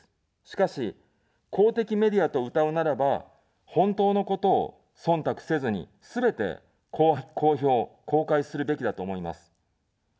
しかし、公的メディアと、うたうならば、本当のことをそんたくせずに、すべて公表、公開するべきだと思います。